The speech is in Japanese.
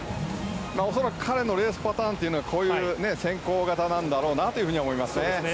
恐らく彼のレースパターンがこういう、先行型なんだろうなと思いますね。